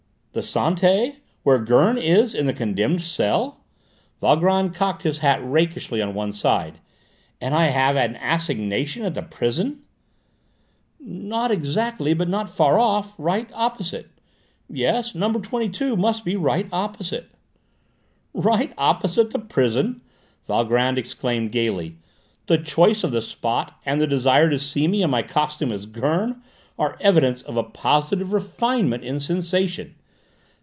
"The Santé? Where Gurn is in the condemned cell?" Valgrand cocked his hat rakishly on one side. "And I have an assignation at the prison?" "Not exactly, but not far off: right opposite; yes, number 22 must be right opposite." "Right opposite the prison!" Valgrand exclaimed gaily. "The choice of the spot, and the desire to see me in my costume as Gurn, are evidence of a positive refinement in sensation!